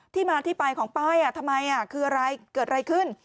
ที่มาที่ไปของป้ายทำไมคืออะไรเกิดอะไรขึ้น